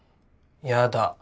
やだ。